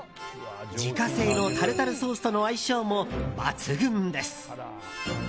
自家製のタルタルソースとの相性も抜群です。